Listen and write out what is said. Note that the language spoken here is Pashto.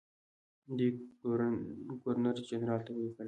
دوی ګورنرجنرال ته ولیکل.